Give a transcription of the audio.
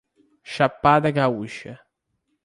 Chapada Gaúcha